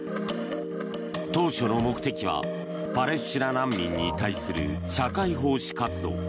当初の目的はパレスチナ難民に対する社会奉仕活動。